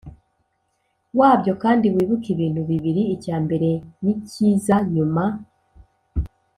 wabyo Kandi wibuke ibintu bibiri Icya mbere ni cyza nyuma